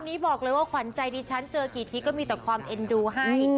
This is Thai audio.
นี้บอกเลยว่าขวัญใจดิฉันเจอกี่ทีก็มีแต่ความเอ็นดูให้